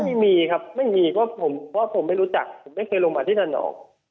ไม่มีครับไม่มีเพราะผมไม่รู้จักผมไม่เคยลงมาที่นั่นออก